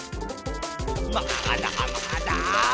まだまだ！